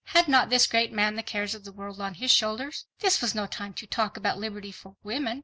Had not this great man the cares of the world on his shoulders? This was no time to talk about liberty for women!